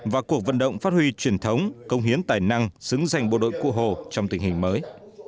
và cuộc vận động phát huy truyền thống công hiến tài năng xứng danh bộ đội cụ hồ trong tình hình mới